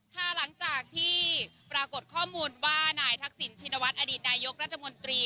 ค่ะหลังจากที่ปรากฏข้อมูลว่านายทักษิณชินวัฒนอดีตนายกรัฐมนตรี